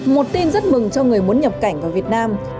một tin rất mừng cho người muốn nhập cảnh vào việt nam